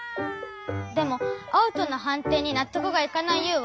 でもアウトのはんていになっとくがいかないユウは。